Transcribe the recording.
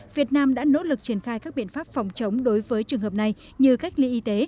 việt nam đã nỗ lực triển khai các biện pháp phòng chống đối với trường hợp này như cách ly y tế